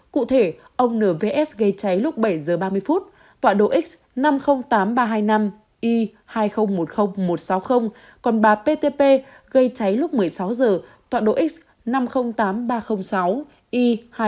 cụ thể ông nvs gây cháy lúc bảy h ba mươi tọa độ x năm trăm linh tám nghìn ba trăm hai mươi năm y hai triệu một mươi nghìn một trăm sáu mươi còn bà ptp gây cháy lúc một mươi sáu h tọa độ x năm trăm linh tám nghìn ba trăm linh sáu y hai triệu một mươi nghìn bốn trăm bốn mươi hai